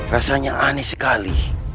rasanya aneh sekali